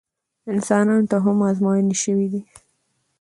انسانانو ته هم ازموینې شوي دي.